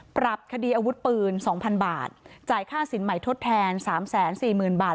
ปรับคดีอาวุธปืนสองพันบาทจ่ายค่าสินใหม่ทดแทนสามแสนสี่หมื่นบาท